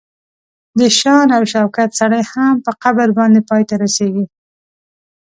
د شان او شوکت سړک هم په قبر باندې پای ته رسیږي.